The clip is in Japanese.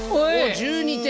１２点！